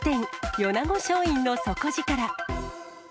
米子松蔭の底力。